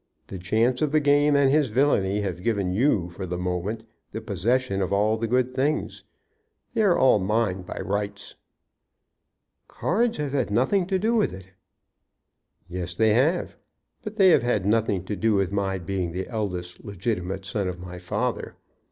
The chance of the game and his villany have given you for the moment the possession of all the good things. They are all mine by rights." "Cards have had nothing to do with it." "Yes; they have. But they have had nothing to do with my being the eldest legitimate son of my father.